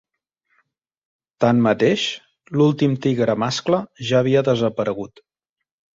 Tanmateix, l'últim tigre mascle ja havia desaparegut.